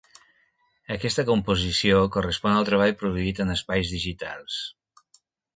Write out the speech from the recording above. Aquesta composició correspon al treball produït en espais digitals.